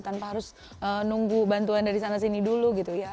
tanpa harus nunggu bantuan dari sana sini dulu gitu ya